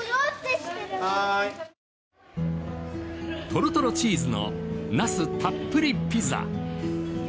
トロトロチーズのナスたっぷりピザ！